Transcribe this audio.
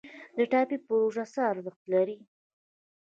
د ټاپي پروژه څه ارزښت لري؟